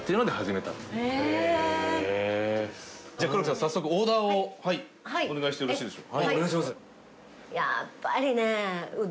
早速オーダーをお願いしてよろしいでしょうか？